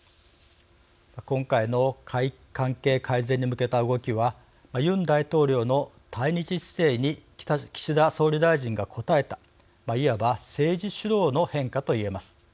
今回の関係改善に向けた動きはユン大統領の対日姿勢に岸田総理大臣が応えたいわば政治主導の変化と言えます。